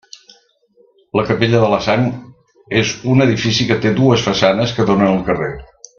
La capella de la Sang és un edifici que té dues façanes que donen al carrer.